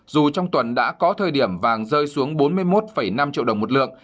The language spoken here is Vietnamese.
dù trong tuần đã có thời điểm vàng rơi xuống bốn mươi một năm triệu đồng một lượng